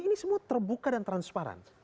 dan ini semua terbuka dan transparan